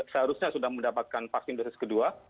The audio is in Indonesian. seharusnya sudah mendapatkan vaksin dosis kedua